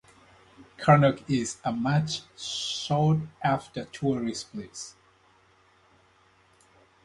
Konark is a much sought after tourist place.